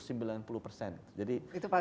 jadi ini masalah komunikasi